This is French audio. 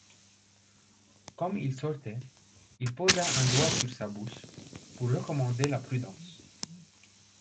Comme il sortait, il posa un doigt sur sa bouche, pour recommander la prudence.